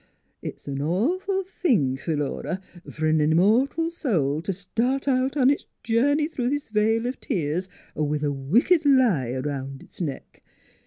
It's a nawful thing, Philura, fer an im mortal soul t' start out on its journey through this vale of tears with a wicked lie 'round its neck.